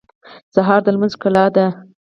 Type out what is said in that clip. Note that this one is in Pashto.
سهار د لمونځ ښکلا ده.